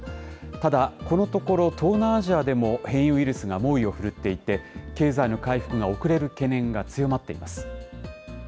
ただ、このところ東南アジアでも変異ウイルスが猛威を振るっていて、経済の回復が遅れる懸念が強まっています。